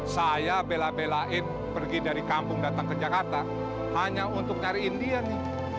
saya bela belain pergi dari kampung datang ke jakarta hanya untuk cari india nih